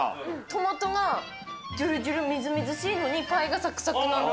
トマトがじゅるじゅる、みずみずしいのに、パイがさくさくなの。